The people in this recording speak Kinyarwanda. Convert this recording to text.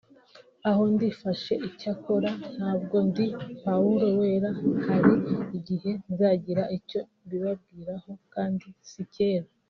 “Aho ndifashe icyakora ntabwo ndi Pawulo Wera hari igihe nzagira icyo mbibabwiraho kandi si kera